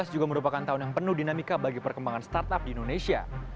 dua ribu tujuh belas juga merupakan tahun yang penuh dinamika bagi perkembangan startup di indonesia